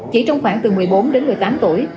chỉ trong khoảng từ một mươi bốn đến một mươi tám tuổi